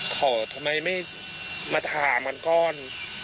ทำไมไม่มาถามกันก่อน